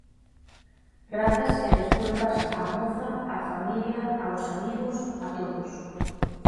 Grazas e desculpas á moza, á familia, aos amigos, a todos.